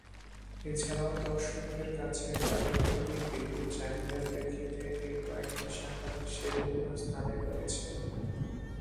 এছাড়াও দর্শকদের কাছে জাদুঘরটির বিপুল চাহিদার প্রেক্ষিতে এর কয়েকটি শাখা বিশ্বের বিভিন্ন স্থানে রয়েছে।